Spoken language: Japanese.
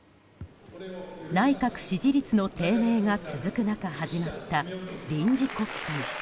内閣支持率の低迷が続く中始まった臨時国会。